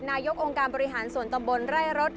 นายกองค์การบริหารส่วนตำบลไร่รถ